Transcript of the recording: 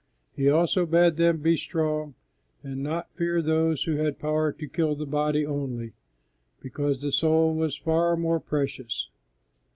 He also bade them be strong and not fear those who had power to kill the body only, because the soul was far more precious.